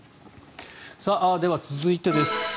では、続いてです。